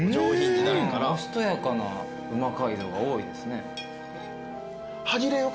おしとやかな「うま街道！」が多いですね。